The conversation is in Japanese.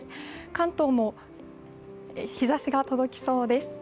関東も日ざしが届きそうです。